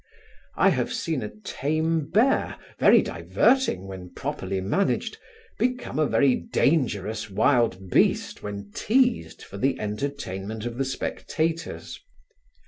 I have seen a tame bear, very diverting when properly managed, become a very dangerous wild beast when teized for the entertainment of the spectators.